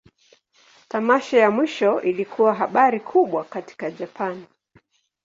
Tamasha ya mwisho ilikuwa habari kubwa katika Japan.